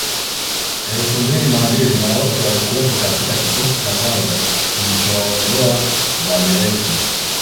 elfu mbili na mbili na wote walikuwepo katika kikosi cha kwanza kilichowaondoa Zamelek